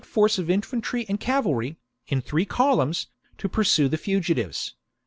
force of infantry and cavalry, in three columns, to pursue the fugitives.